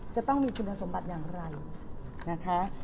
จะต้องมีคุณสมบัติอย่างไรนะคะ